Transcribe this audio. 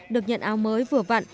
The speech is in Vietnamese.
được nhận áo mới vừa vặn